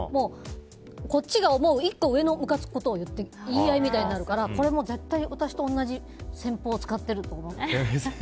こっちが思う１個上のむかつくことを言ってきて言い合いみたくなるからこれ絶対私と同じ戦法を使っていると思って。